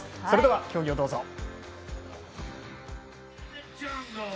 それでは、競技をどうぞ。